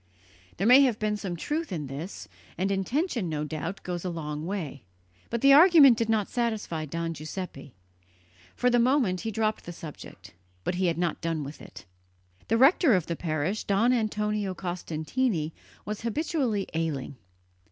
There may have been some truth in this; and intention, no doubt, goes a long way; but the argument did not satisfy Don Giuseppe. For the moment he dropped the subject, but he had not done with it. The rector of the parish, Don Antonio Costantini, was habitually ailing.